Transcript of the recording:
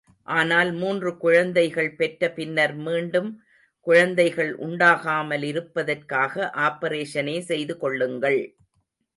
ஆனால் மூன்று குழந்தைகள் பெற்ற பின்னர் மீண்டும் குழந்தைகள் உண்டாகாமலிருப்பதற்காக ஆப்பரேஷனே செய்துகொள்ளுங்கள்.